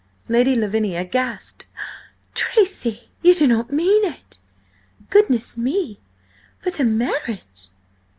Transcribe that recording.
Lady Lavinia gasped. "Tracy! You do not mean it? Goodness me, but a marriage!"